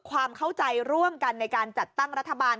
ความเข้าใจร่วมกันในการจัดตั้งรัฐบาล